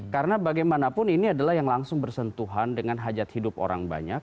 karena bagaimanapun ini adalah yang langsung bersentuhan dengan hajat hidup orang banyak